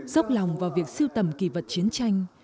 dốc lòng vào việc siêu tầm kỳ vật chiến tranh